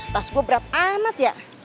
tas gue berat amat ya